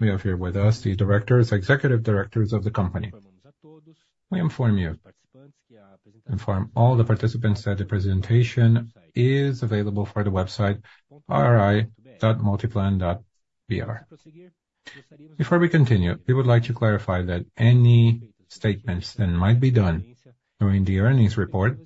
We have here with us the directors, executive directors of the company. We inform you, inform all the participants that the presentation is available for the website ri.multiplan.br. Before we continue, we would like to clarify that any statements that might be done during the earnings report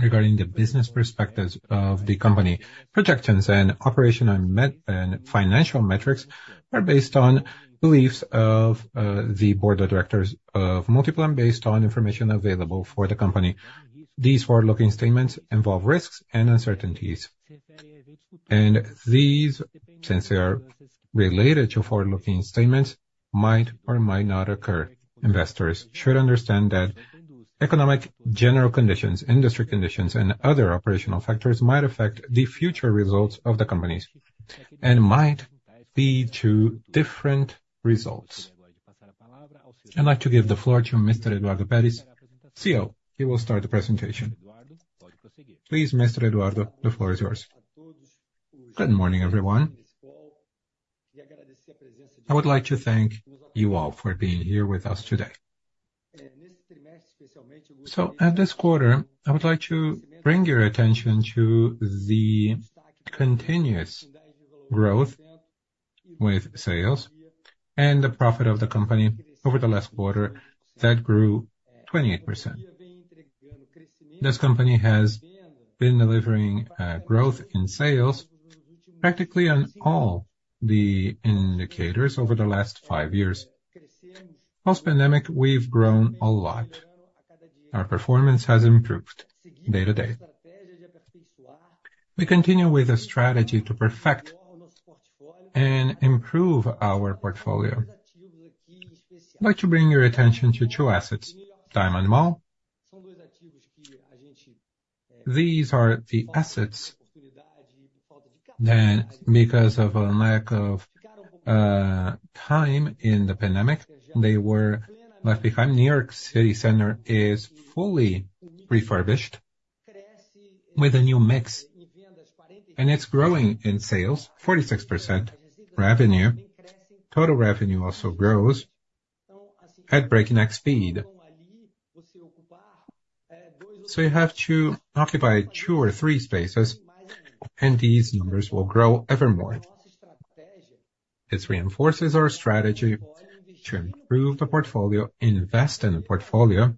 regarding the business perspectives of the company, projections, and operational and financial metrics are based on beliefs of the board of directors of Multiplan based on information available for the company. These forward-looking statements involve risks and uncertainties, and these, since they are related to forward-looking statements, might or might not occur. Investors should understand that economic general conditions, industry conditions, and other operational factors might affect the future results of the company and might lead to different results. I'd like to give the floor to Mr. Eduardo Peres, CEO. He will start the presentation. Please, Mr. Eduardo, the floor is yours. Good morning, everyone. I would like to thank you all for being here with us today. So, at this quarter, I would like to bring your attention to the continuous growth with sales and the profit of the company over the last quarter that grew 28%. This company has been delivering growth in sales practically on all the indicators over the last five years. Post-pandemic, we've grown a lot. Our performance has improved day to day. We continue with a strategy to perfect and improve our portfolio. I'd like to bring your attention to two assets: DiamondMall. These are the assets. Then, because of a lack of time in the pandemic, they were left behind. New York City Center is fully refurbished with a new mix, and it's growing in sales 46% revenue. Total revenue also grows at breakneck speed. So you have to occupy two or three spaces, and these numbers will grow ever more. It reinforces our strategy to improve the portfolio, invest in the portfolio,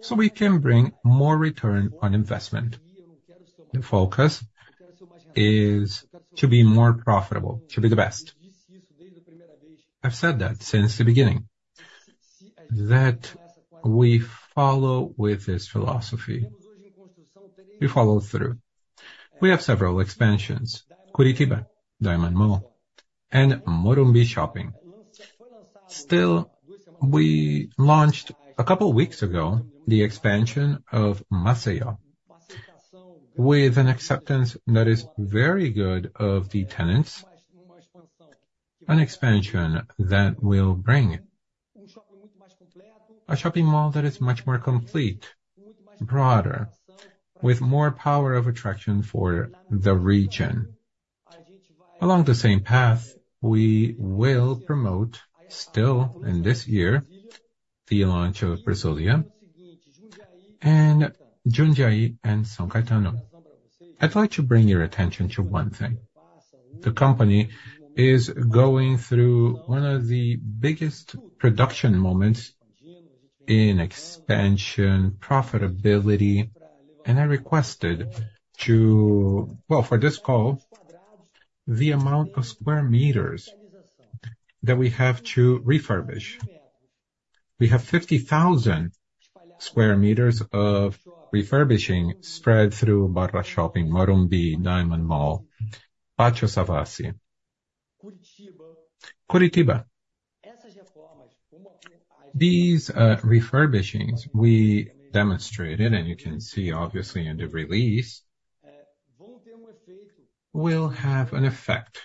so we can bring more return on investment. The focus is to be more profitable, to be the best. I've said that since the beginning, that we follow with this philosophy. We follow through. We have several expansions: Curitiba, DiamondMall, and MorumbiShopping. Still, we launched a couple of weeks ago the expansion of Maceió with an acceptance that is very good of the tenants, an expansion that will bring a shopping mall that is much more complete, broader, with more power of attraction for the region. Along the same path, we will promote, still in this year, the launch of Brasília, Jundiaí, and São Caetano. I'd like to bring your attention to one thing. The company is going through one of the biggest production moments in expansion, profitability, and I requested to, well, for this call, the amount of square meters that we have to refurbish. We have 50,000 square meters of refurbishing spread through BarraShopping, Morumbi, DiamondMall, Pátio Savassi, Curitiba. These, refurbishings we demonstrated, and you can see, obviously, in the release, will have an effect.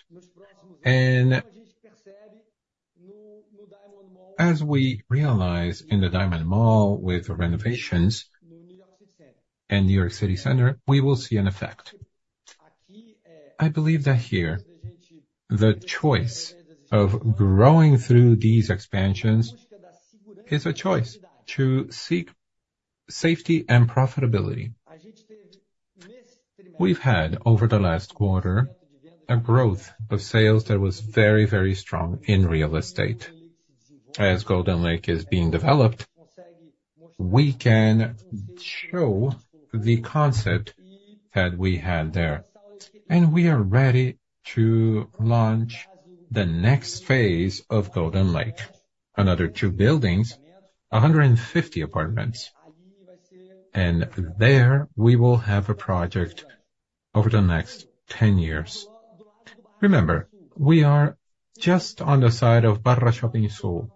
And as we realize in the DiamondMall with the renovations in New York City Center, we will see an effect. I believe that here, the choice of growing through these expansions is a choice to seek safety and profitability. We've had, over the last quarter, a growth of sales that was very, very strong in real estate. As Golden Lake is being developed, we can show the concept that we had there, and we are ready to launch the next phase of Golden Lake. Another two buildings, 150 apartments, and there we will have a project over the next 10 years. Remember, we are just on the side of BarraShoppingSul.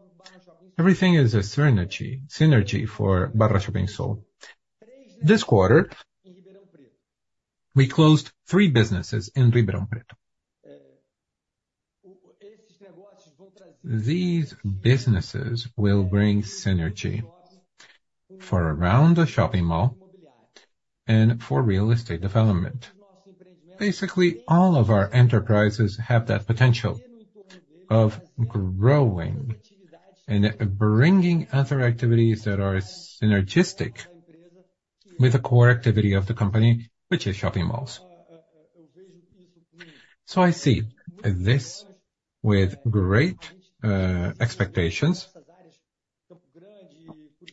Everything is a synergy, synergy for BarraShoppingSul. This quarter, we closed three businesses in Ribeirão Preto. These businesses will bring synergy for around the shopping mall and for real estate development. Basically, all of our enterprises have that potential of growing and bringing other activities that are synergistic with the core activity of the company, which is shopping malls. So I see this with great expectations.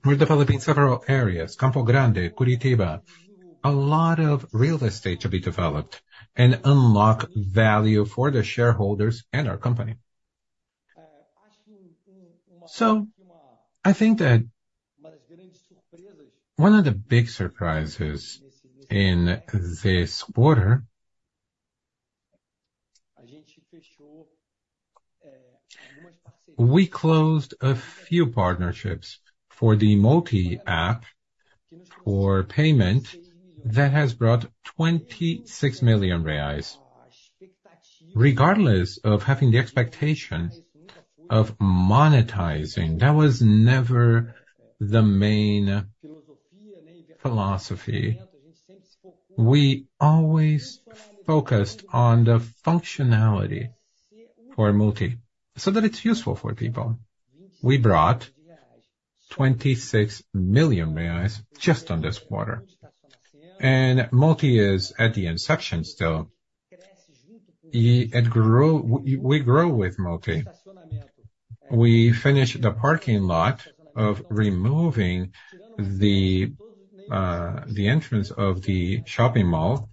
We're developing several areas: Campo Grande, Curitiba. A lot of real estate to be developed and unlock value for the shareholders and our company. So I think that one of the big surprises in this quarter, we closed a few partnerships for the Multi app for payment that has brought 26 million reais. Regardless of having the expectation of monetizing, that was never the main philosophy. We always focused on the functionality for Multi so that it's useful for people. We brought 26 million reais just on this quarter, and Multi is at the inception still. It grew, we grow with Multi. We finished the parking lot of removing the entrance of the shopping mall.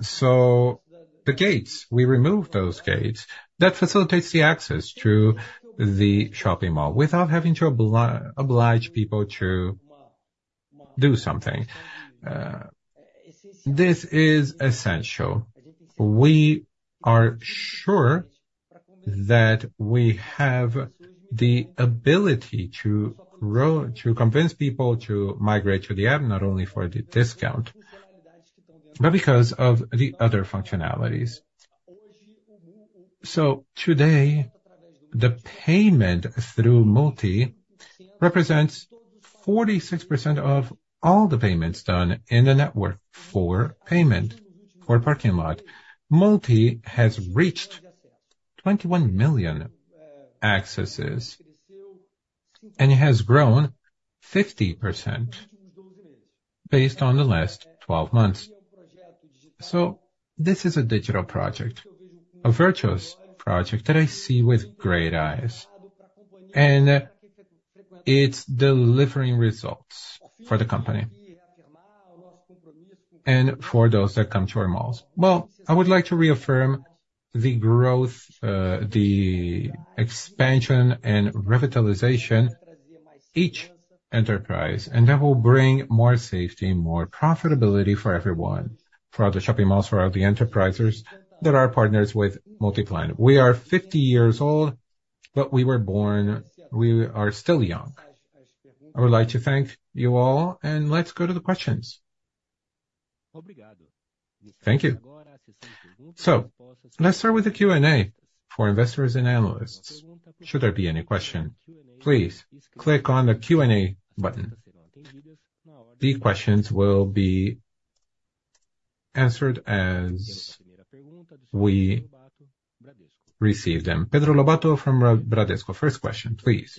So the gates, we removed those gates. That facilitates the access to the shopping mall without having to oblige people to do something. This is essential. We are sure that we have the ability to grow, to convince people to migrate to the app not only for the discount, but because of the other functionalities. So today, the payment through Multi represents 46% of all the payments done in the network for payment, for parking lot. Multi has reached 21 million accesses, and it has grown 50% based on the last 12 months. So this is a digital project, a virtuous project that I see with great eyes, and it's delivering results for the company and for those that come to our malls. Well, I would like to reaffirm the growth, the expansion and revitalization each enterprise, and that will bring more safety, more profitability for everyone, for other shopping malls, for all the enterprises that are partners with Multiplan. We are 50 years old, but we were born, we are still young. I would like to thank you all, and let's go to the questions. Thank you. So let's start with the Q&A for investors and analysts. Should there be any question, please click on the Q&A button. The questions will be answered as we receive them. Pedro Lobato from Bradesco, first question, please.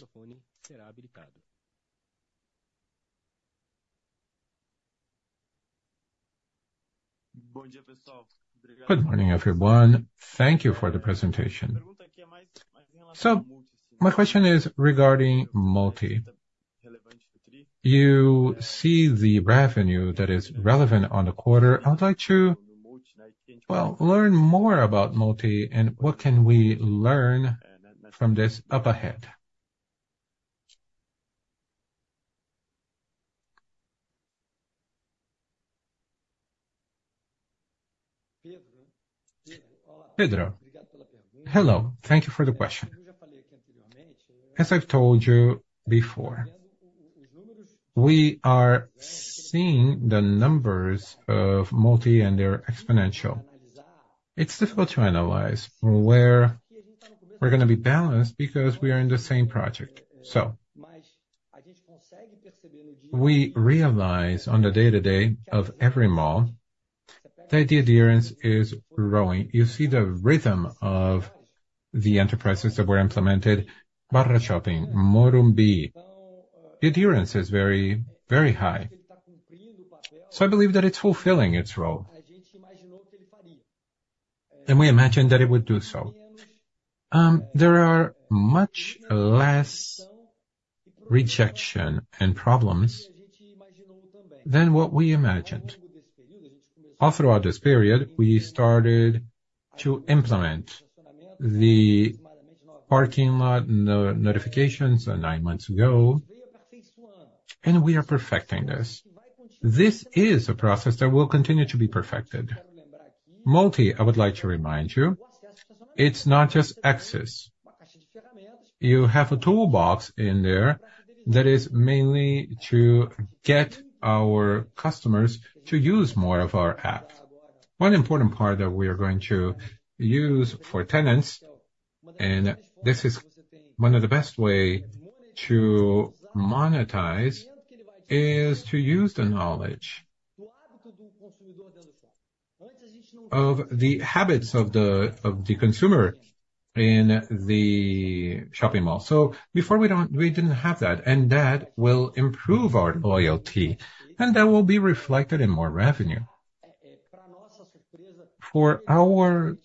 Good morning, everyone. Thank you for the presentation. So my question is regarding Multi. You see the revenue that is relevant on the quarter. I would like to, well, learn more about Multi, and what can we learn from this up ahead? Pedro. Hello. Thank you for the question. As I've told you before, we are seeing the numbers of Multi and their exponential. It's difficult to analyze where we're going to be balanced because we are in the same project. So we realize on the day-to-day of every mall that the adherence is growing. You see the rhythm of the enterprises that were implemented: BarraShopping, Morumbi. The adherence is very, very high. So I believe that it's fulfilling its role. And we imagined that it would do so. There are much less rejection and problems than what we imagined. All throughout this period, we started to implement the parking lot notifications nine months ago, and we are perfecting this. This is a process that will continue to be perfected. Multi, I would like to remind you, it's not just access. You have a toolbox in there that is mainly to get our customers to use more of our app. One important part that we are going to use for tenants, and this is one of the best ways to monetize, is to use the knowledge of the habits of the consumer in the shopping mall. So before, we don't, we didn't have that, and that will improve our loyalty, and that will be reflected in more revenue. For our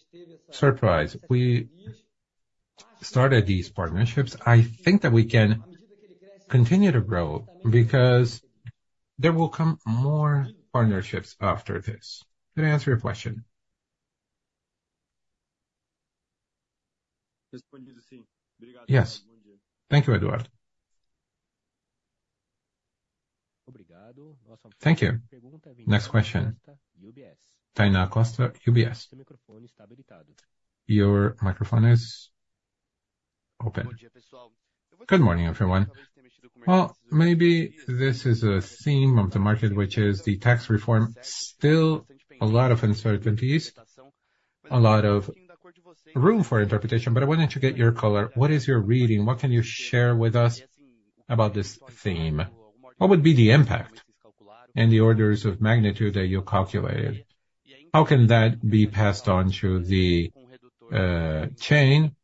surprise, we started these partnerships. I think that we can continue to grow because there will come more partnerships after this. Did I answer your question? Yes. Thank you, Eduardo. Thank you. Next question. Tainá Costa, UBS. Your microphone is open. Good morning, everyone. Well, maybe this is a theme of the market, which is the tax reform. Still, a lot of uncertainties, a lot of room for interpretation, but I wanted to get your color. What is your reading? What can you share with us about this theme? What would be the impact and the orders of magnitude that you calculated? How can that be passed on to the chain,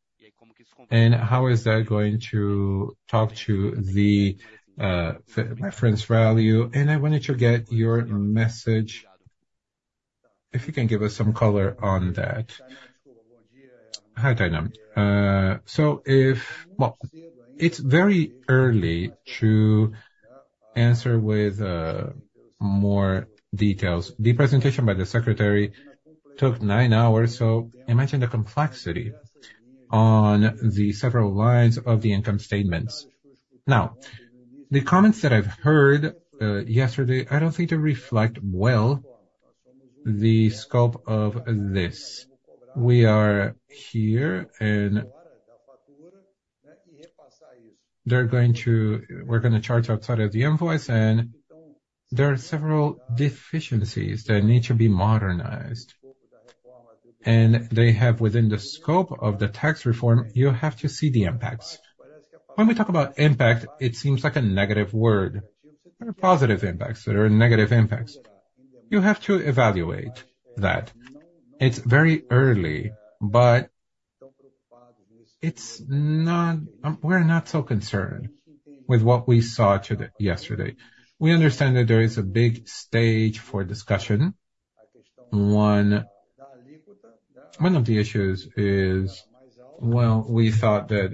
and how is that going to talk to the reference value? And I wanted to get your message, if you can give us some color on that. Hi, Tainá. So if, well, it's very early to answer with more details. The presentation by the secretary took nine hours, so imagine the complexity on the several lines of the income statements. Now, the comments that I've heard yesterday, I don't think they reflect well the scope of this. We are here, and they're going to, we're going to charge outside of the invoice, and there are several deficiencies that need to be modernized. They have, within the scope of the tax reform, you have to see the impacts. When we talk about impact, it seems like a negative word. There are positive impacts. There are negative impacts. You have to evaluate that. It's very early, but it's not, we're not so concerned with what we saw yesterday. We understand that there is a big stage for discussion. One of the issues is, well, we thought that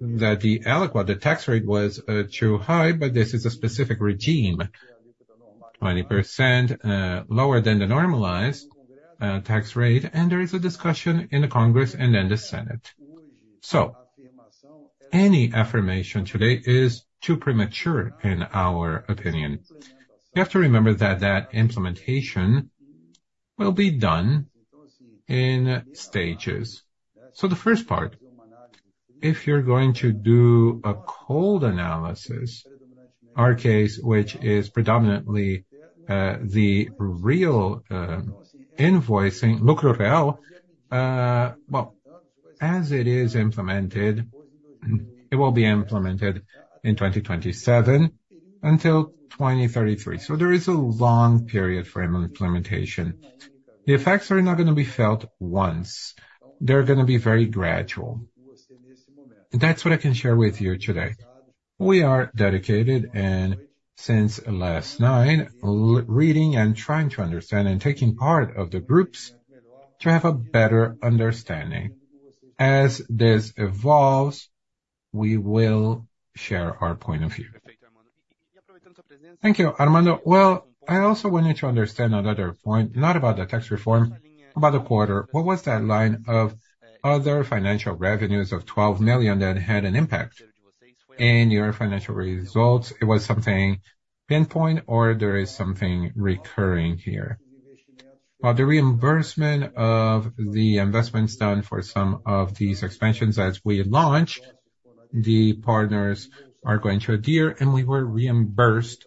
the alíquota, the tax rate, was too high, but this is a specific regime, 20% lower than the normalized tax rate, and there is a discussion in Congress and in the Senate. So any affirmation today is too premature, in our opinion. You have to remember that that implementation will be done in stages. So the first part, if you're going to do a cold analysis, our case, which is predominantly the real invoicing, Lucro Real, well, as it is implemented, it will be implemented in 2027 until 2033. So there is a long period for implementation. The effects are not going to be felt once. They're going to be very gradual. That's what I can share with you today. We are dedicated, and since last night, reading and trying to understand and taking part of the groups to have a better understanding. As this evolves, we will share our point of view. Thank you, Armando. Well, I also wanted to understand another point, not about the tax reform, about the quarter. What was that line of other financial revenues of 12 million that had an impact in your financial results? It was something pinpoint, or there is something recurring here? Well, the reimbursement of the investments done for some of these expansions that we launched, the partners are going to adhere, and we were reimbursed,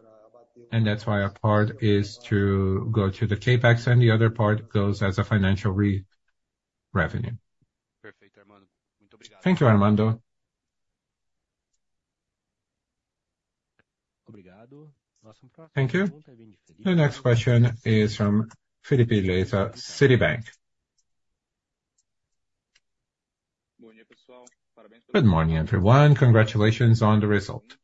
and that's why a part is to go to the CapEx, and the other part goes as a financial revenue. Thank you, Armando. Thank you. The next question is from Felipe Leiza, Citibank. Good morning, everyone. Congratulations on the result.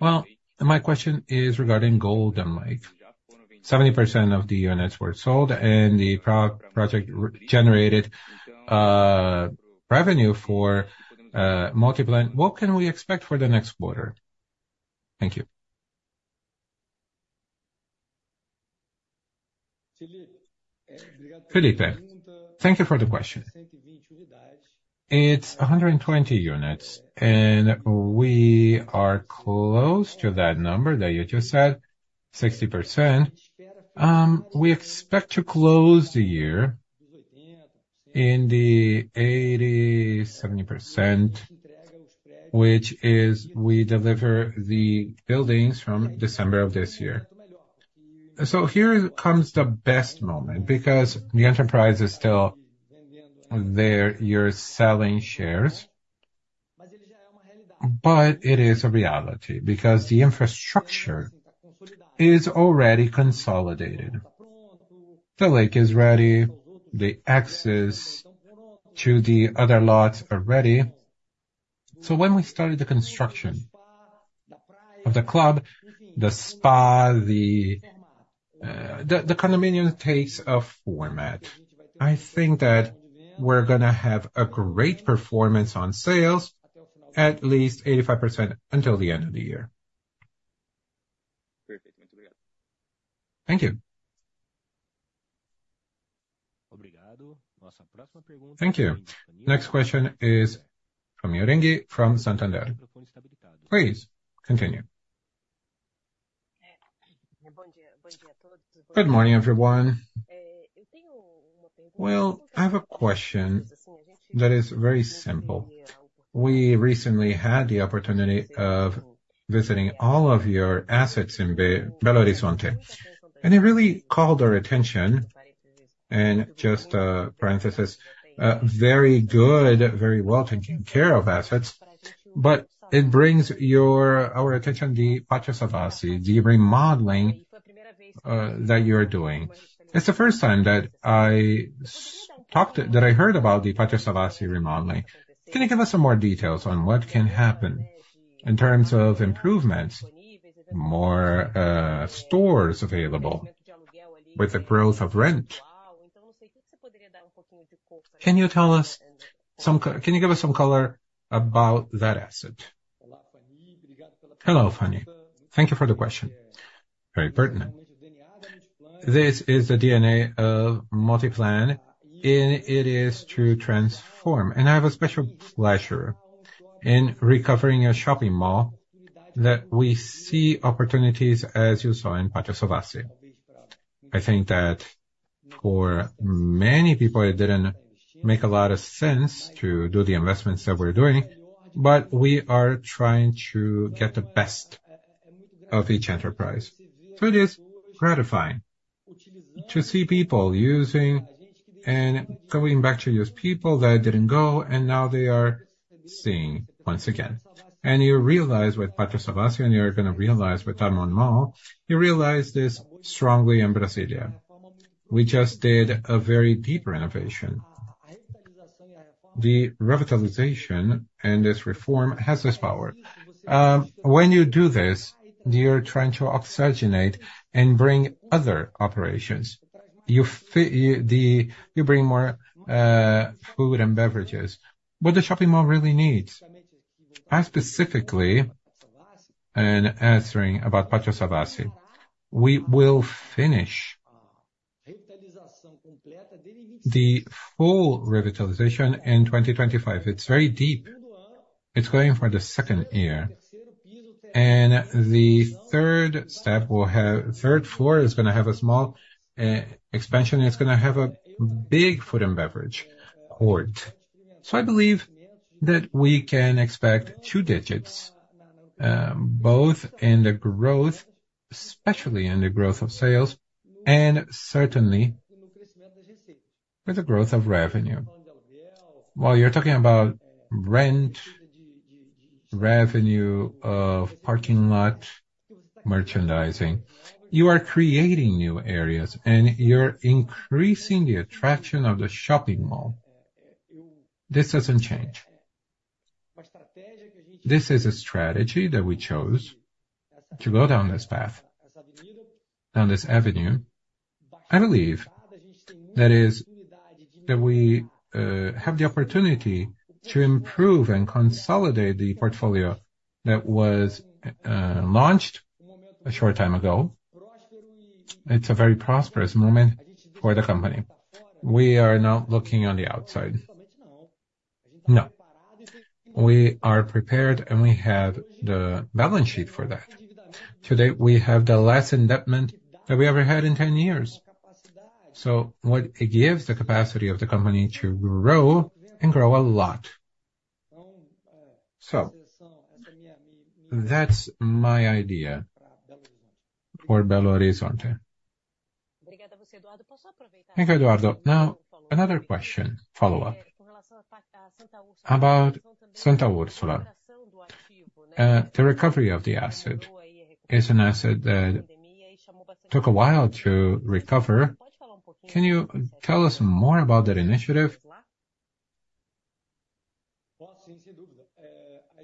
Well, my question is regarding Golden Lake. 70% of the units were sold, and the project generated revenue for Multiplan. What can we expect for the next quarter? Thank you. Felipe, thank you for the question. It's 120 units, and we are close to that number that you just said, 60%. We expect to close the year in the 80%-70%, which is we deliver the buildings from December of this year. So here comes the best moment because the enterprise is still there, you're selling shares, but it is a reality because the infrastructure is already consolidated. The lake is ready. The access to the other lots are ready. So when we started the construction of the club, the spa, the condominium takes a format. I think that we're going to have a great performance on sales, at least 85% until the end of the year. Thank you. Thank you. Next question is from Fanny Oreng, from Santander. Please continue. Good morning, everyone. Well, I have a question that is very simple. We recently had the opportunity of visiting all of your assets in Belo Horizonte, and it really called our attention, and just a parenthesis, very good, very well taken care of assets, but it brings our attention, the Pátio Savassi, the remodeling that you are doing. It's the first time that I heard about the Pátio Savassi remodeling. Can you give us some more details on what can happen in terms of improvements, more stores available with the growth of rent? Can you tell us some, can you give us some color about that asset? Hello, Fanny. Thank you for the question. Very pertinent. This is the DNA of Multiplan, and it is to transform. And I have a special pleasure in recovering a shopping mall that we see opportunities as you saw in Pátio Savassi. I think that for many people, it didn't make a lot of sense to do the investments that we're doing, but we are trying to get the best of each enterprise. So it is gratifying to see people using and going back to use people that didn't go, and now they are seeing once again. And you realize with Pátio Savassi, and you're going to realize with DiamondMall, you realize this strongly in Brasília. We just did a very deep renovation. The revitalization and this reform has this power. When you do this, you're trying to oxygenate and bring other operations. You bring more food and beverages. What the shopping mall really needs, I specifically, and answering about Pátio Savassi, we will finish the full revitalization in 2025. It's very deep. It's going for the second year. The third step will have, third floor is going to have a small expansion, and it's going to have a big food and beverage court. So I believe that we can expect two digits, both in the growth, especially in the growth of sales, and certainly with the growth of revenue. Well, you're talking about rent, revenue of parking lot merchandising. You are creating new areas, and you're increasing the attraction of the shopping mall. This doesn't change. This is a strategy that we chose to go down this path, down this avenue. I believe that is that we have the opportunity to improve and consolidate the portfolio that was launched a short time ago. It's a very prosperous moment for the company. We are not looking on the outside. No. We are prepared, and we have the balance sheet for that. Today, we have the lowest indebtedness that we ever had in 10 years. So what it gives the capacity of the company to grow and grow a lot. So that's my idea for Belo Horizonte. Thank you, Eduardo. Now, another question, follow-up. About the recovery of the asset, it's an asset that took a while to recover. Can you tell us more about that initiative?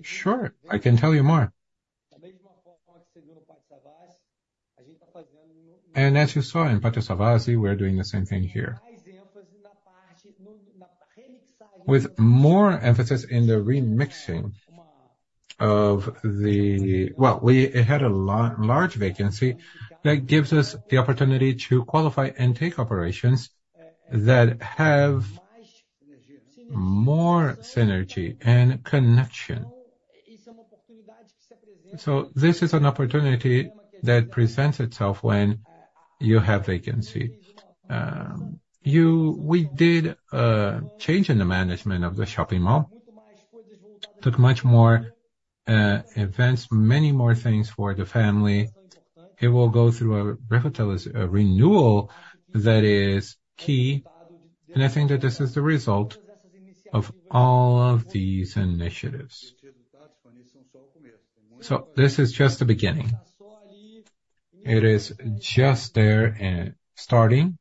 Sure. I can tell you more. And as you saw in Pátio Savassi, we're doing the same thing here. With more emphasis in the remixing of the, well, we had a large vacancy that gives us the opportunity to qualify and take operations that have more synergy and connection. So this is an opportunity that presents itself when you have vacancy. We did change in the management of the shopping mall, took much more events, many more things for the family. It will go through a renewal that is key, and I think that this is the result of all of these initiatives. So this is just the beginning. It is just there and starting.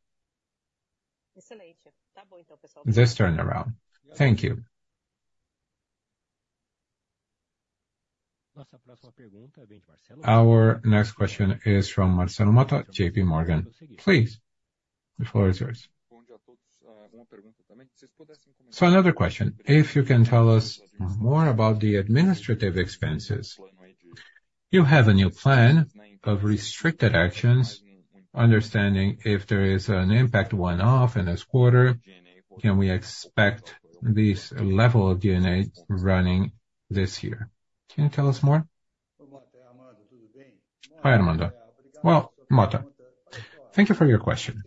This turnaround. Thank you. Our next question is from Marcelo Motta, J.P. Morgan. Please, the floor is yours. So another question. If you can tell us more about the administrative expenses. You have a new plan of restricted actions, understanding if there is an impact one-off in this quarter, can we expect this level of DNA running this year? Can you tell us more? Hi, Armando. Well, Motta, thank you for your question.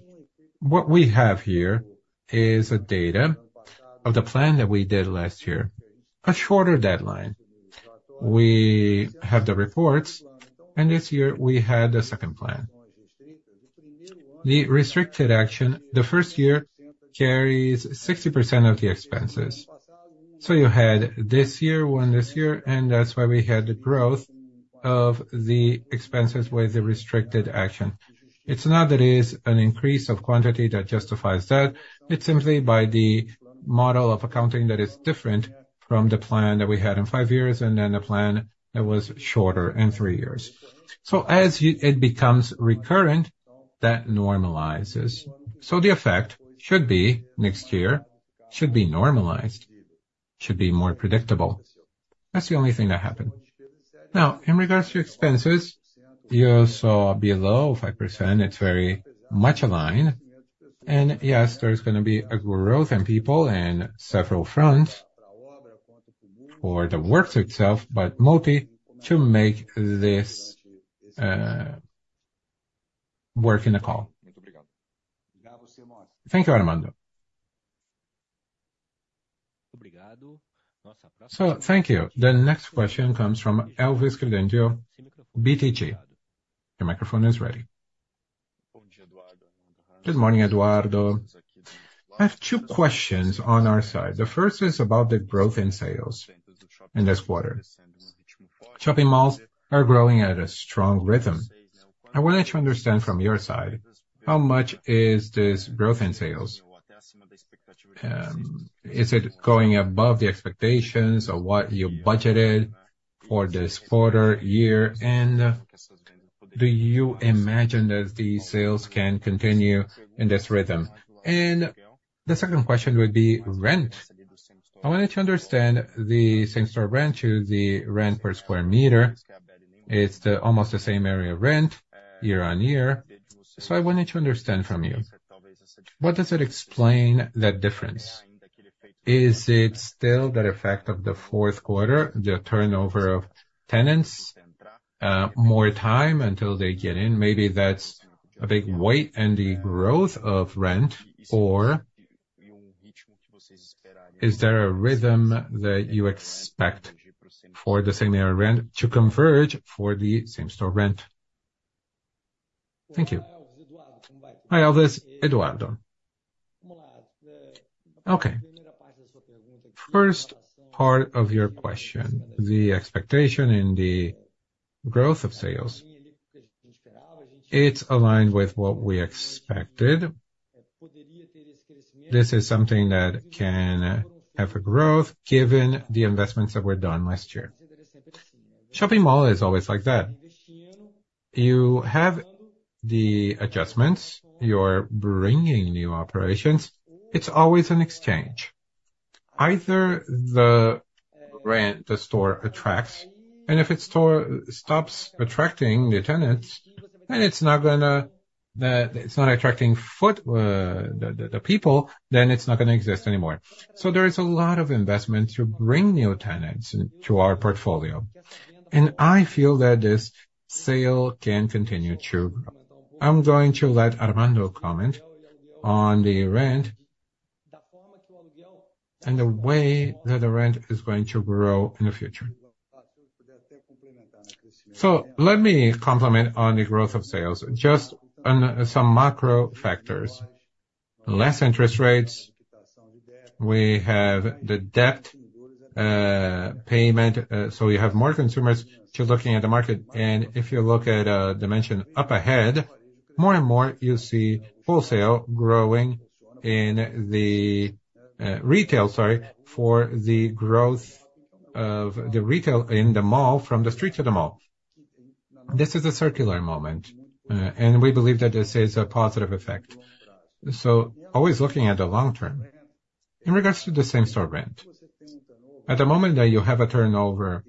What we have here is data of the plan that we did last year, a shorter deadline. We have the reports, and this year we had a second plan. The restricted action, the first year carries 60% of the expenses. So you had this year, one this year, and that's why we had the growth of the expenses with the restricted action. It's not that it is an increase of quantity that justifies that. It's simply by the model of accounting that is different from the plan that we had in five years and then the plan that was shorter in three years. So as it becomes recurrent, that normalizes. So the effect should be next year, should be normalized, should be more predictable. That's the only thing that happened. Now, in regards to expenses, you saw below 5%, it's very much aligned. And yes, there's going to be a growth in people in several fronts for the works itself, but Multi to make this work in the call. Thank you, Armando. So thank you. The next question comes from Elvis Credendio, BTG. The microphone is ready. Good morning, Eduardo. I have two questions on our side. The first is about the growth in sales in this quarter. Shopping malls are growing at a strong rhythm. I wanted to understand from your side, how much is this growth in sales? Is it going above the expectations of what you budgeted for this quarter, year? And do you imagine that these sales can continue in this rhythm? And the second question would be rent. I wanted to understand the same store rent to the rent per square meter. It's almost the same area rent year on year. So I wanted to understand from you, what does it explain that difference? Is it still that effect of the fourth quarter, the turnover of tenants, more time until they get in? Maybe that's a big weight in the growth of rent, or is there a rhythm that you expect for the same store rent to converge for the same store rent? Thank you. Hi, Elvis. Eduardo. First part of your question, the expectation in the growth of sales, it's aligned with what we expected. This is something that can have a growth given the investments that were done last year. Shopping mall is always like that. You have the adjustments, you're bringing new operations. It's always an exchange. Either the rent the store attracts, and if it stops attracting the tenants, then it's not going to, it's not attracting the people, then it's not going to exist anymore. So there is a lot of investment to bring new tenants to our portfolio. And I feel that this sales can continue to grow. I'm going to let Armando comment on the rent and the way that the rent is going to grow in the future. So let me comment on the growth of sales, just some macro factors. Less interest rates. We have the debt payment, so you have more consumers looking at the market. And if you look at the dimension up ahead, more and more you see wholesale growing in the retail, sorry, for the growth of the retail in the mall from the street to the mall. This is a circular moment, and we believe that this is a positive effect. So always looking at the long term. In regards to the same store rent, at the moment that you have a turnover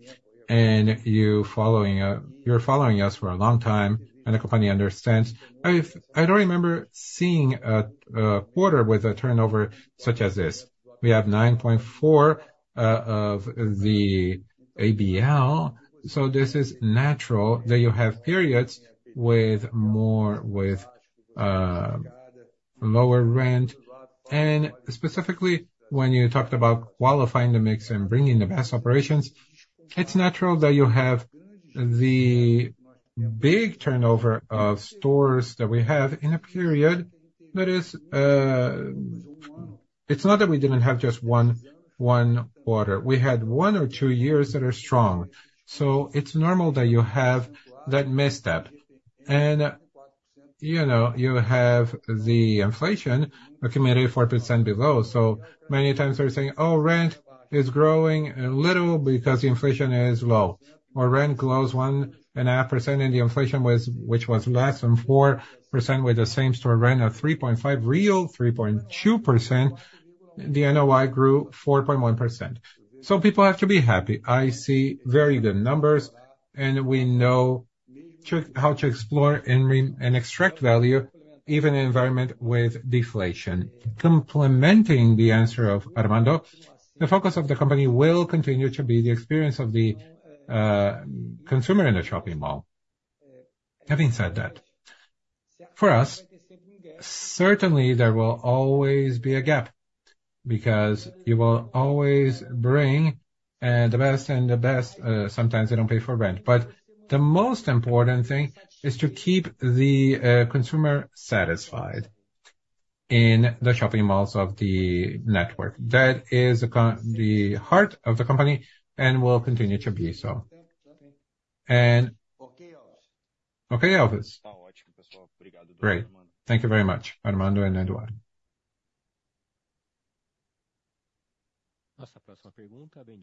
and you're following us for a long time and the company understands, I don't remember seeing a quarter with a turnover such as this. We have 9.4% of the ABL, so this is natural that you have periods with lower rent. Specifically, when you talked about qualifying the mix and bringing the best operations, it's natural that you have the big turnover of stores that we have in a period that is, it's not that we didn't have just one quarter. We had one or two years that are strong. So it's normal that you have that misstep. And you have the inflation accumulated 4% below. So many times they're saying, "Oh, rent is growing a little because the inflation is low." Or rent grows 1.5% and the inflation, which was less than 4% with the same store rent of 3.5%, real 3.2%, the NOI grew 4.1%. So people have to be happy. I see very good numbers, and we know how to explore and extract value even in an environment with deflation. Complementing the answer of Armando, the focus of the company will continue to be the experience of the consumer in the shopping mall. Having said that, for us, certainly there will always be a gap because you will always bring the best and the best, sometimes they don't pay for rent. But the most important thing is to keep the consumer satisfied in the shopping malls of the network. That is the heart of the company and will continue to be so. Okay, Elvis. Great. Thank you very much, Armando and Eduardo.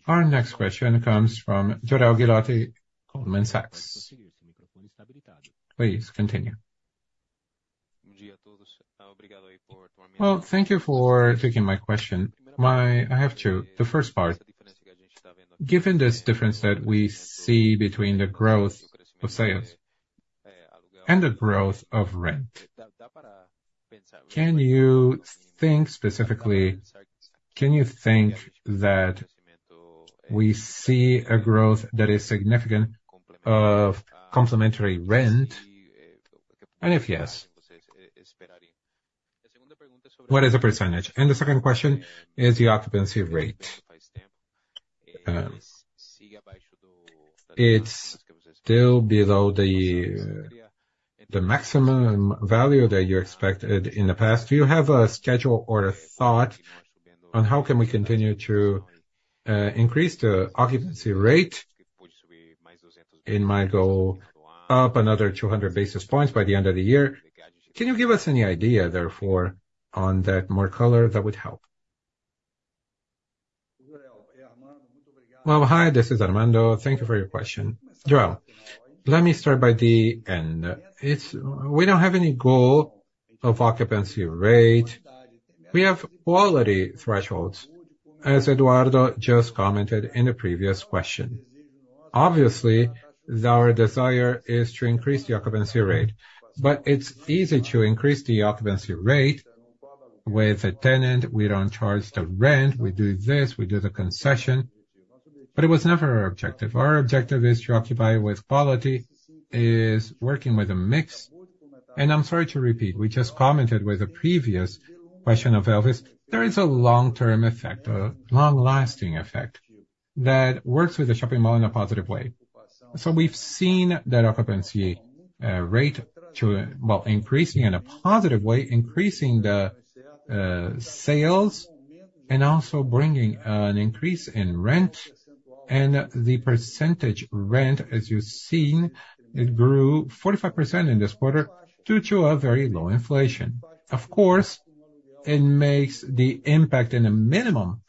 Our next question comes from Jorel Guilloty, Goldman Sachs. Please, continue. Well, thank you for taking my question. I have two. The first part, given this difference that we see between the growth of sales and the growth of rent, can you think specifically, can you think that we see a growth that is significant of complementary rent? And if yes, what is the percentage? And the second question is the occupancy rate. It's still below the maximum value that you expected in the past. Do you have a schedule or a thought on how can we continue to increase the occupancy rate? It might go up another 200 basis points by the end of the year. Can you give us any idea, therefore, on that more color that would help? Well, hi, this is Armando. Thank you for your question. Geraldo, let me start by the end. We don't have any goal of occupancy rate. We have quality thresholds, as Eduardo just commented in the previous question. Obviously, our desire is to increase the occupancy rate, but it's easy to increase the occupancy rate with a tenant. We don't charge the rent. We do this. We do the concession. But it was never our objective. Our objective is to occupy with quality, is working with a mix. And I'm sorry to repeat, we just commented with a previous question of Elvis, there is a long-term effect, a long-lasting effect that works with the shopping mall in a positive way. So we've seen that occupancy rate increasing in a positive way, increasing the sales and also bringing an increase in rent. And the percentage rent, as you've seen, it grew 45% in this quarter due to a very low inflation. Of course, it makes the impact in a minimum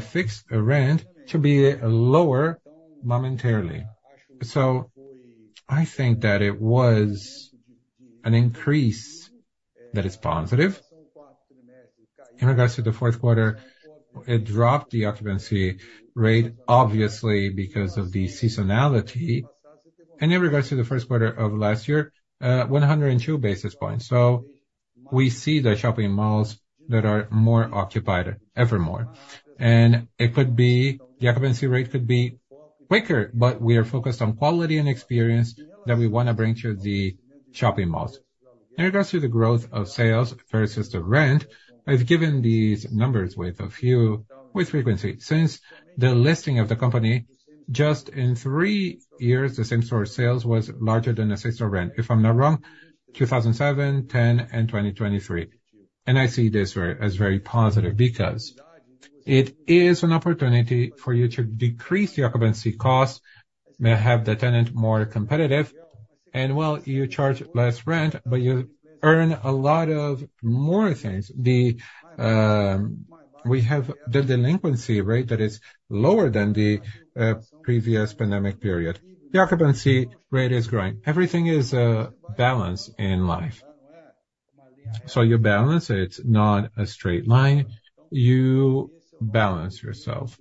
fixed rent to be lower momentarily. So I think that it was an increase that is positive. In regards to the fourth quarter, it dropped the occupancy rate, obviously, because of the seasonality. In regards to the first quarter of last year, 102 basis points. We see the shopping malls that are more occupied evermore. It could be, the occupancy rate could be quicker, but we are focused on quality and experience that we want to bring to the shopping malls. In regards to the growth of sales versus the rent, I've given these numbers with frequency. Since the listing of the company, just in three years, the same store sales was larger than the same store rent, if I'm not wrong, 2007, 2010, and 2023. I see this as very positive because it is an opportunity for you to decrease the occupancy cost, have the tenant more competitive, and while you charge less rent, but you earn a lot of more things. We have the delinquency rate that is lower than the previous pandemic period. The occupancy rate is growing. Everything is balanced in life. So you balance it. It's not a straight line. You balance yourself.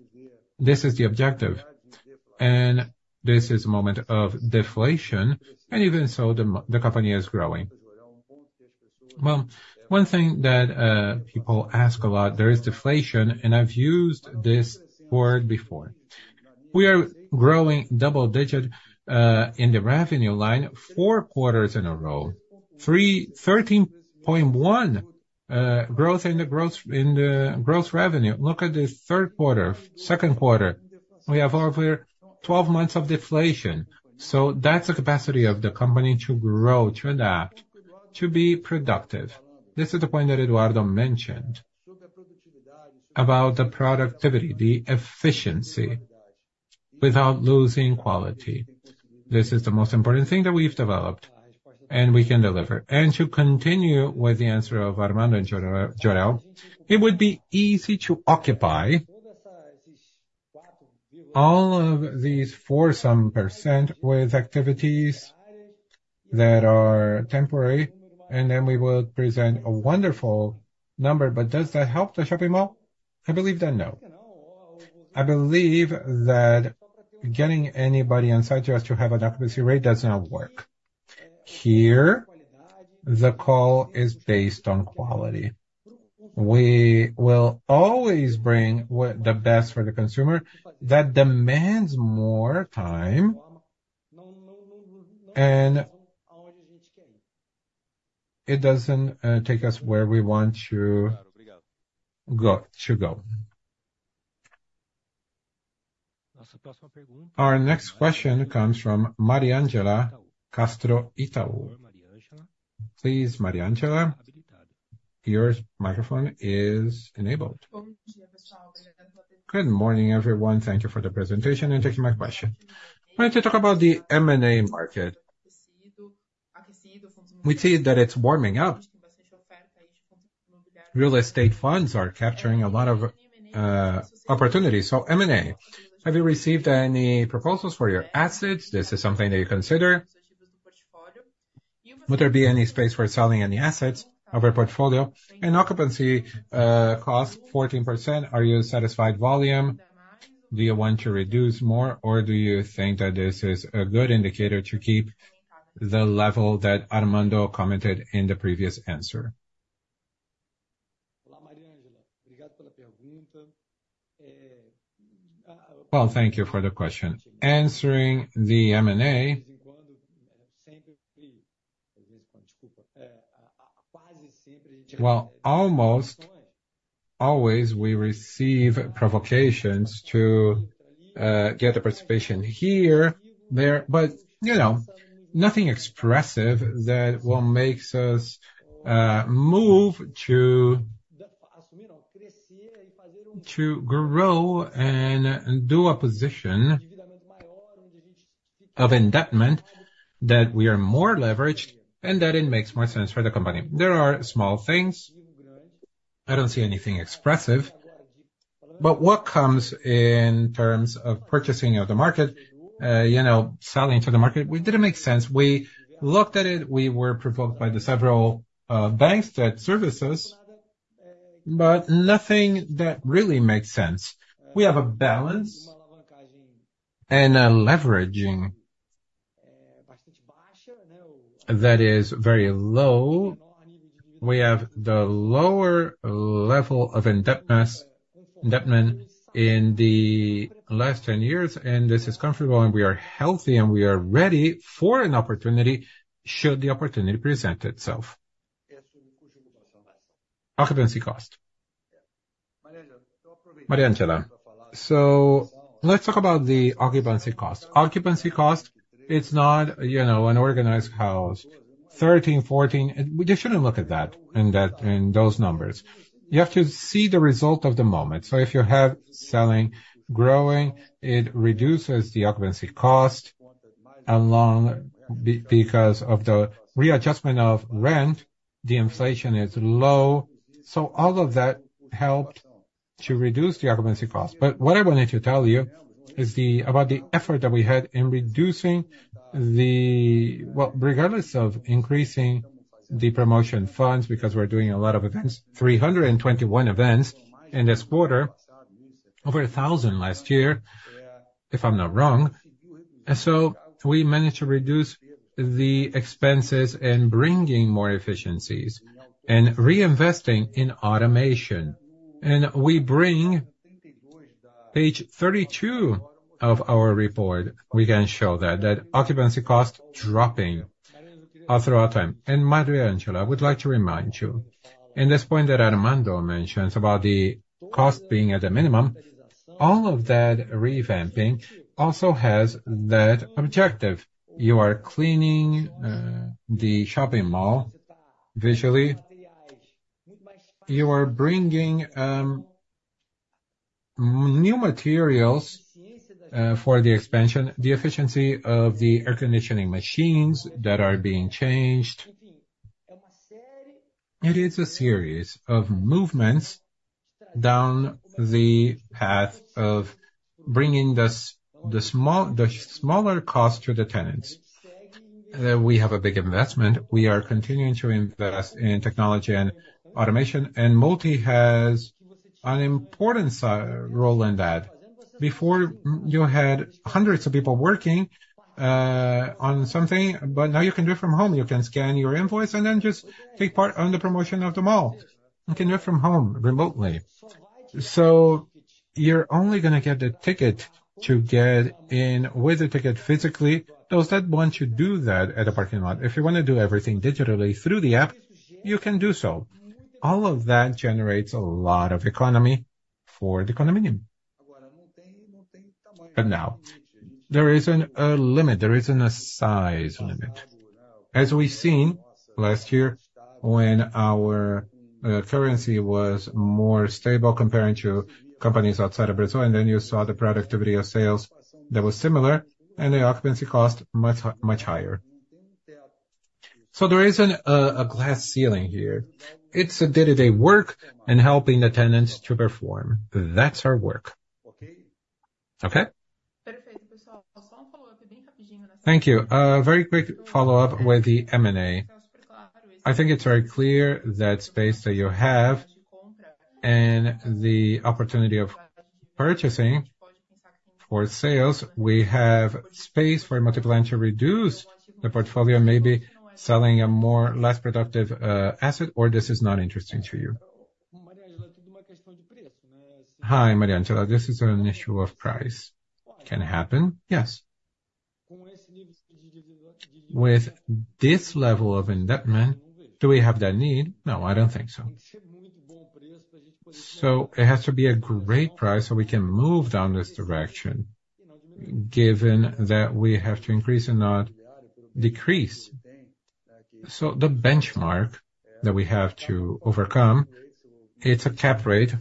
This is the objective. And this is a moment of deflation, and even so, the company is growing. Well, one thing that people ask a lot, there is deflation, and I've used this word before. We are growing double-digit in the revenue line four quarters in a row, 13.1 growth in the growth revenue. Look at the third quarter, second quarter. We have over 12 months of deflation. So that's the capacity of the company to grow, to adapt, to be productive. This is the point that Eduardo mentioned about the productivity, the efficiency, without losing quality. This is the most important thing that we've developed and we can deliver. To continue with the answer of Armando and Jorel, it would be easy to occupy all of these 4% or so with activities that are temporary, and then we will present a wonderful number, but does that help the shopping mall? I believe that no. I believe that getting anybody inside to us to have an occupancy rate does not work. Here, the call is based on quality. We will always bring the best for the consumer. That demands more time, and it doesn't take us where we want to go. Our next question comes from Mariangela Castro, Itaú. Please, Mariangela. Your microphone is enabled. Good morning, everyone. Thank you for the presentation and taking my question. I wanted to talk about the M&A market. We see that it's warming up. Real estate funds are capturing a lot of opportunities. So M&A, have you received any proposals for your assets? This is something that you consider. Would there be any space for selling any assets of your portfolio? And occupancy cost, 14%, are you satisfied volume? Do you want to reduce more, or do you think that this is a good indicator to keep the level that Armando commented in the previous answer? Olá, Mariangela. Obrigado pela pergunta. Well, thank you for the question. Answering the M&A, quase always we receive provocations to get the participation here, there, but nothing expressive that will make us move to grow and do a position of indebtment that we are more leveraged and that it makes more sense for the company. There are small things. I don't see anything expressive. But what comes in terms of purchasing of the market, selling to the market, it didn't make sense. We looked at it. We were provoked by the several banks that serviced us, but nothing that really makes sense. We have a balance and a leveraging that is very low. We have the lower level of indebtment in the last 10 years, and this is comfortable, and we are healthy, and we are ready for an opportunity should the opportunity present itself. Occupancy cost. Mariangela, so let's talk about the occupancy cost. Occupancy cost, it's not an organized house. 13%, 14%, they shouldn't look at that in those numbers. You have to see the result of the moment. So if you have selling growing, it reduces the occupancy cost because of the readjustment of rent. The inflation is low. So all of that helped to reduce the occupancy cost. But what I wanted to tell you is about the effort that we had in reducing the, well, regardless of increasing the promotion funds because we're doing a lot of events, 321 events in this quarter, over 1,000 last year, if I'm not wrong. So we managed to reduce the expenses in bringing more efficiencies and reinvesting in automation. We bring page 32 of our report, we can show that, that occupancy cost dropping throughout time. Mariangela, I would like to remind you, in this point that Armando mentions about the cost being at the minimum, all of that revamping also has that objective. You are cleaning the shopping mall visually. You are bringing new materials for the expansion, the efficiency of the air conditioning machines that are being changed. It is a series of movements down the path of bringing the smaller cost to the tenants. We have a big investment. We are continuing to invest in technology and automation, and Multi has an important role in that. Before, you had hundreds of people working on something, but now you can do it from home. You can scan your invoice and then just take part on the promotion of the mall. You can do it from home remotely. So you're only going to get the ticket to get in with the ticket physically. Those that want to do that at a parking lot, if you want to do everything digitally through the app, you can do so. All of that generates a lot of economy for the condominium. But now, there isn't a limit. There isn't a size limit. As we've seen last year when our currency was more stable comparing to companies outside of Brazil, and then you saw the productivity of sales that was similar and the occupancy cost much, much higher. So there isn't a glass ceiling here. It's a day-to-day work in helping the tenants to perform. That's our work. Okay? Thank you. Very quick follow-up with the M&A. I think it's very clear that space that you have and the opportunity of purchasing for sales, we have space for Multiplan to reduce the portfolio, maybe selling a less productive asset, or this is not interesting to you. Hi, Mariangela. This is an issue of price. Can happen, yes. With this level of endowment, do we have that need? No, I don't think so. So it has to be a great price so we can move down this direction, given that we have to increase and not decrease. So the benchmark that we have to overcome, it's a Cap Rate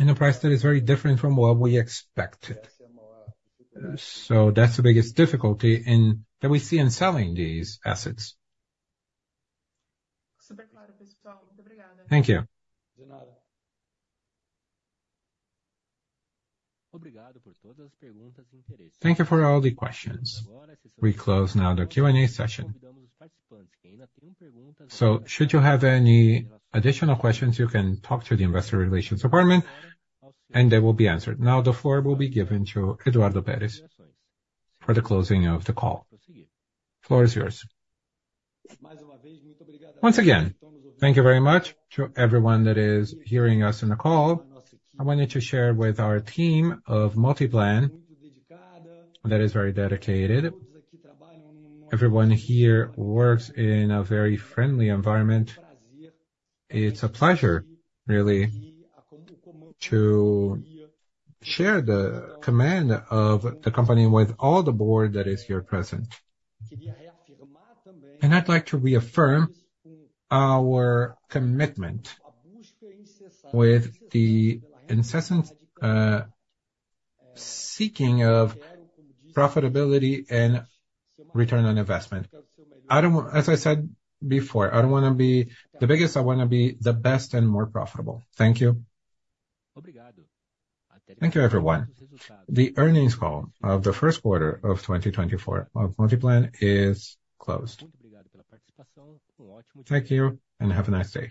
in a price that is very different from what we expected. So that's the biggest difficulty that we see in selling these assets. Thank you for all the questions. We close now the Q&A session. So should you have any additional questions, you can talk to the Investor Relations Department, and they will be answered. Now, the floor will be given to Eduardo Peres for the closing of the call. The floor is yours. Once again, thank you very much to everyone that is hearing us in the call. I wanted to share with our team of Multiplan that is very dedicated. Everyone here works in a very friendly environment. It's a pleasure, really, to share the command of the company with all the board that is here present. I'd like to reaffirm our commitment with the incessant seeking of profitability and return on investment. As I said before, I don't want to be the biggest. I want to be the best and more profitable. Thank you. Thank you, everyone. The earnings call of the first quarter of 2024 of Multiplan is closed. Thank you, and have a nice day.